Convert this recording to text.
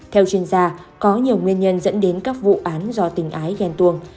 theo chuyên gia có nhiều nguyên nhân dẫn đến các vụ án do tình ái ghen tuông